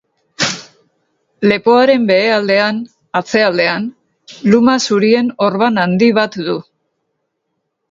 Lepoaren behealdean, atzealdean, luma zurien orban handi bat du.